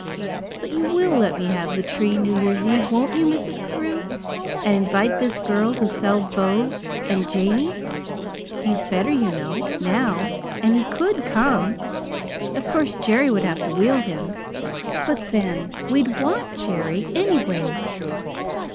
But you will let me have the tree New Year's Eve, won't you, Mrs. Carew? and invite this girl who sells bows, and Jamie? He's better, you know, now, and he COULD come. Of course Jerry would have to wheel him but then, we'd want Jerry, anyway."